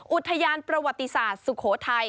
อุทยานประวัติศาสตร์สุโขทัย